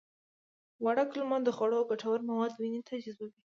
وړه کولمه د خوړو ګټور مواد وینې ته جذبوي